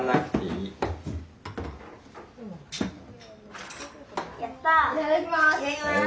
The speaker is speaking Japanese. いただきます。